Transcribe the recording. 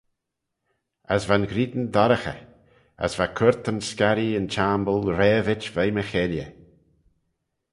As va'n ghrian dorraghey, as va curtan scarree yn chiamble raipit veih-my cheilley.